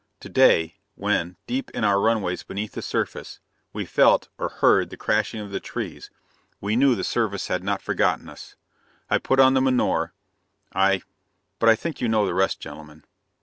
To day, when, deep in our runways beneath the surface, we felt, or heard, the crashing of the trees, we knew the Service had not forgotten us. I put on the menore; I but I think you know the rest, gentlemen.